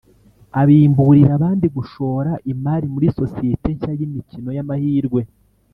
abimburira abandi gushora imari muri sosiyete nshya y’imikino y’amahirwe